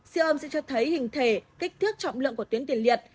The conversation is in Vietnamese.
siêu âm sẽ cho thấy hình thể kích thước trọng lượng của tuyến tiền liệt